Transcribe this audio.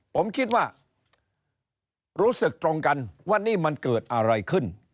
ผมคิดว่ารู้สึกตรงกันว่านี่มันเกิดอะไรขึ้น